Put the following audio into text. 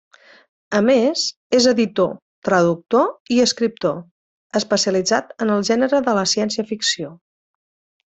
A més, és editor, traductor i escriptor, especialitzat en el gènere de la ciència-ficció.